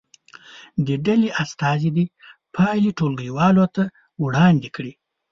د ډلې استازي دې پایلې ټولګي والو ته وړاندې کړي.